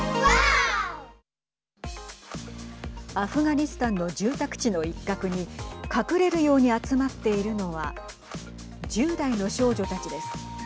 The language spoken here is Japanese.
アフガニスタンの住宅地の一角に隠れるように集まっているのは１０代の少女たちです。